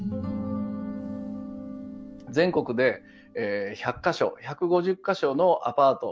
全国で１００か所１５０か所のアパート。